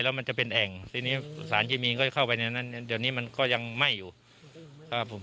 แล้วมันจะเป็นแอ่งทีนี้สารเคมีนก็เข้าไปในนั้นเดี๋ยวนี้มันก็ยังไหม้อยู่ครับผม